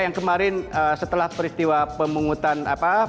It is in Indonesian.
yang kemarin setelah peristiwa pemungutan apa